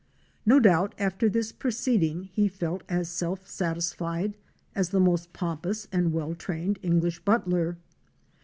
No doubt after this proceeding he felt as self satisfied as the most pompous and well trained English butler.